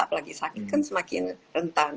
apalagi sakit kan semakin rentan